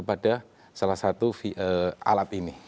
pada salah satu alat ini